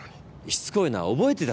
しつこいな覚えてたって。